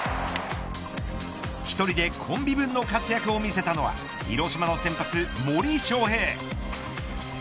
１人でコンビ分の活躍を見せたのは広島の先発森翔平。